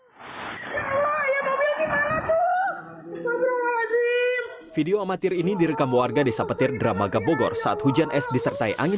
hai video amatir ini direkam warga desa petir dramaga bogor saat hujan es disertai angin